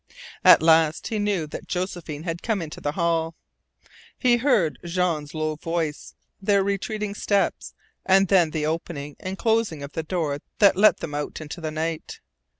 At last he knew that Josephine had come out into the hall. He heard Jean's low voice, their retreating steps, and then the opening and closing of the door that let them out into the night.